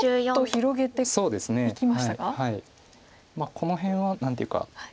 この辺は何ていうか。